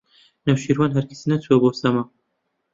نەوشیروان هەرگیز نەچووە بۆ سەما.